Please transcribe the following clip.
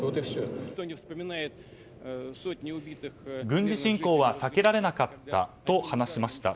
軍事侵攻は避けられなかったと話しました。